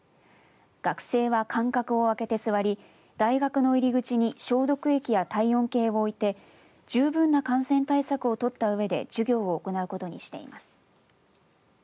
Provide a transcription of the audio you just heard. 学生は、間隔を空けて座り大学の入り口に消毒液や体温計をおいて十分な感染対策を取ったうえで授業を行うことにしています。